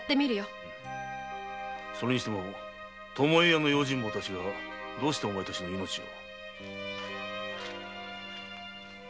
それにしても巴屋の用心棒たちはどうしてお前たちの命を？